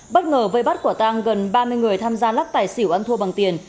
bất ngờ vây bắt quả tăng gần ba mươi người tham gia lắc tài xỉu ăn thua bằng tiền